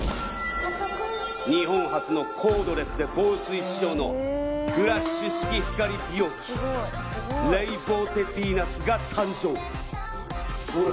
日本初のコードレスで防水仕様のフラッシュ式光美容器レイボーテヴィーナスが誕生ほら